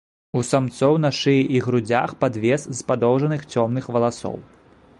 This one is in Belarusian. У самцоў на шыі і грудзях падвес з падоўжаных цёмных валасоў.